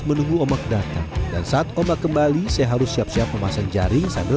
menunggu ombak datang dan saat ombak kembali saya harus siap siap memasang jaring sambil